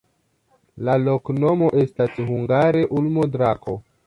La loknomo estas hungare: ulmo-drako.